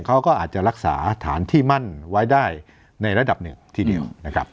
เขาก็อาจจะรักษาฐานที่มั่นไว้ได้ในระดับหนึ่งทีเดียวนะครับ